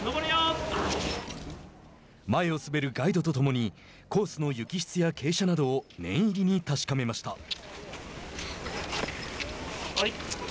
前を滑るガイドと共にコースの雪質や傾斜などを念入りに確かめました。